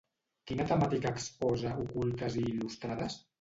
Quina temàtica exposa Ocultes i il·lustrades?